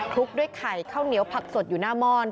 ลุกด้วยไข่ข้าวเหนียวผักสดอยู่หน้าม่อน